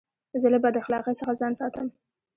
زه له بداخلاقۍ څخه ځان ساتم.